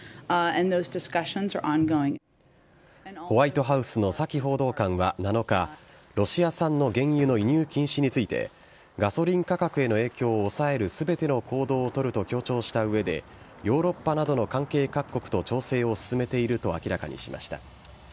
ホワイトハウスのサキ報道官は７日、ロシア産の原油の輸入禁止について、ガソリン価格への影響を抑えるすべての行動を取ると強調したうえで、ヨーロッパなどの関係各国と調整を進めていると明らかにしました。